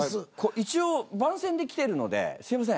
一応番宣で来てるのですいません